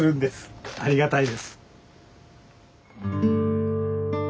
ありがたいです。